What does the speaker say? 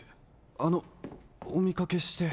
あのおみかけして。